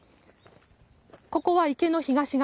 ここは、池の東側。